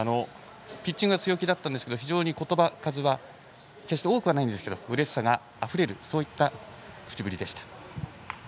ピッチングは強気だったんですけど非常に言葉数は決して多くはないんですけどうれしさがあふれる口ぶりでした。